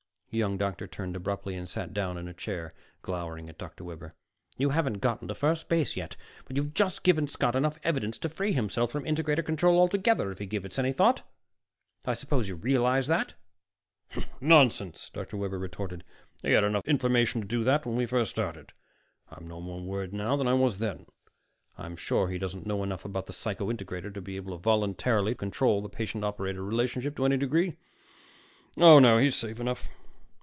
The young doctor turned abruptly and sank down in a chair, glowering at Dr. Webber. "You haven't gotten to first base yet, but you've just given Scott enough evidence to free himself from integrator control altogether, if he gives it any thought. But I suppose you realize that." "Nonsense," Dr. Webber retorted. "He had enough information to do that when we first started. I'm no more worried now than I was then. I'm sure he doesn't know enough about the psycho integrator to be able voluntarily to control the patient operator relationship to any degree. Oh, no, he's safe enough.